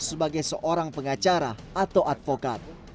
sebagai seorang pengacara atau advokat